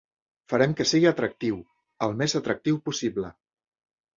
Farem que sigui atractiu, el més atractiu possible.